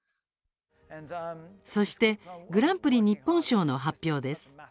そしてグランプリ日本賞の発表です。